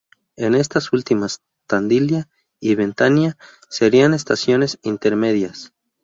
En estas últimas, Tandilia y Ventania serían estaciones intermedias.